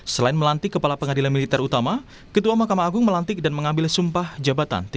selain melantik kepala pengadilan militer utama ketua mahkamah agung melantik dan mengambil sumpah jabatan